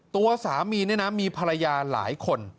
ตัวสามีเนี่ยนะมีภรรยาหลายคน